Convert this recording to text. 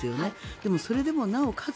でも、それでもなおかつ